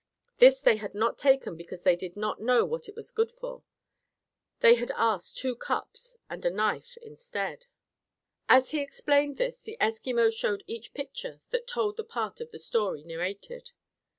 This they had not taken because they did not know what it was good for. They had asked two cups and a knife instead. As he explained this, the Eskimo showed each picture that told the part of the story narrated.